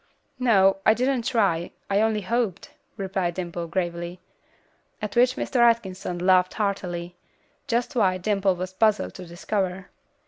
"No. I didn't try. I only hoped," replied Dimple, gravely. At which Mr. Atkinson laughed heartily; just why, Dimple was puzzled to discover.